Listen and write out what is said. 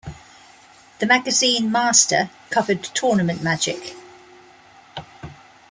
The magazine "Mastyr", covered tournament Magic.